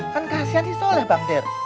kan kasihan soleh bangder